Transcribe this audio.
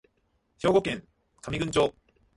兵庫県上郡町